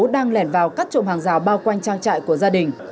đang lẻn vào cắt trộm hàng rào bao quanh trang trại của gia đình